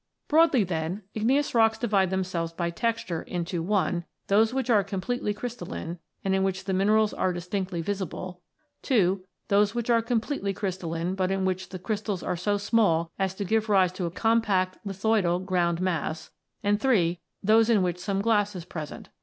Broadly, then, igneous rocks divide themselves by texture into (i) those which are completely crystalline, and in which the minerals are distinctly visible ; (ii) those which are completely crystalline, but in which the crystals are so small as to give rise to a compact lithoidal ground mass ; and (iii) those in which some glass is present.